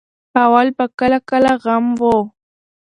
اول به کله کله غم وو.